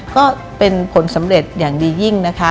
ก็เป็นผลสำเร็จอย่างดียิ่งนะคะ